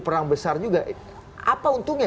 perang besar juga apa untungnya